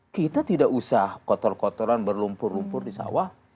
kita tidak usah kotor kotoran berlumpur lumpur di sawah